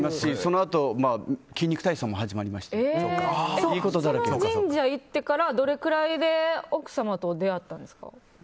そのあと、「筋肉体操」も始まりましたしその神社に行ってからどのくらいで奥様と出会ったんですか？